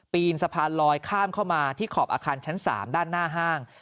นสะพานลอยข้ามเข้ามาที่ขอบอาคารชั้น๓ด้านหน้าห้าง